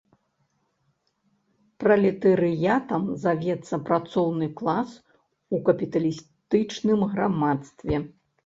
Пралетарыятам завецца працоўны клас у капіталістычным грамадстве.